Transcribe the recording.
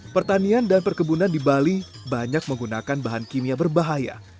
pertanian dan perkebunan di bali banyak menggunakan bahan kimia berbahaya